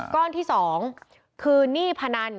ก้อนที่๒คือหนี้พนัน